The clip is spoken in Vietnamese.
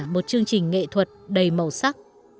một chương trình nghệ thuật đầy màu sắc